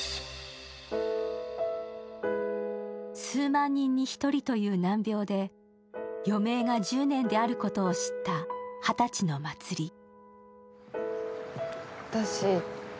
数万人に１人という難病で、余命が１０年であることを知った二十歳の茉莉。